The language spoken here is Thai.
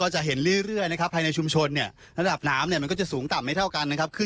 แจ้งประมาณ๖โมงค่ะ